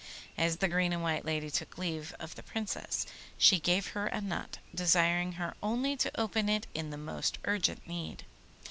As the green and white lady took leave of the Princess she gave her a nut, desiring her only to open it in the most urgent need.